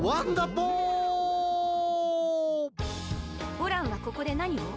オランはここでなにを？